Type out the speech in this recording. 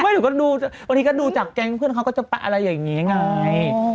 บางทีก็ดูอาทิตย์ก็ดูจากแจงเพื่อนเค้าก็จะไปอะไรอย่างนี้ไง